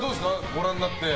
ご覧になって。